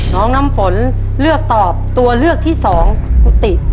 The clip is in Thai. น้ำฝนเลือกตอบตัวเลือกที่สองกุฏิ